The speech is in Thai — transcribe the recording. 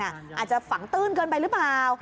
อาจจะฝังตื้นเกินไปหรือเปล่า